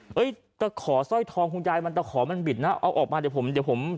เฮ้ยตะขอสร้อยทองของยายมันตะขอมันบิดนะเอาออกมาเดี๋ยวผม